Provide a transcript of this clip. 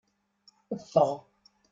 Ffeɣ!